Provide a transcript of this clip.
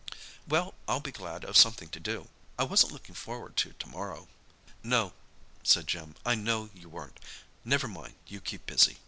"Well, I'll be glad of something to do. I wasn't looking forward to to morrow." "No," said Jim, "I know you weren't. Never mind, you keep busy.